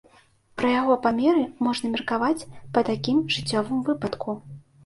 Пра яго памеры можна меркаваць па такім жыццёвым выпадку.